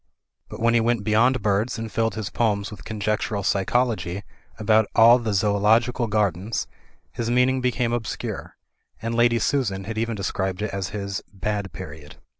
But, when he went beyond birds and filled his poems with conjectural psychology about all the Zoological Gardens, his meaning became obscure ; and Lady Susan had even described it as his bad period.